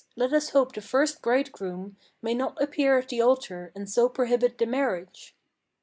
let us hope the first bridegroom May not appear at the altar, and so prohibit the marriage."